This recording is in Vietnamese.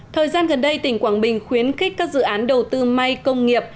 thời gian gần đây tỉnh quảng bình khuyến khích các dự án đầu tư may công nghiệp